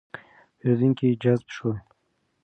پېرېدونکي جذب شول.